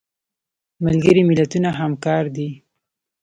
ملګري ملتونه همکار دي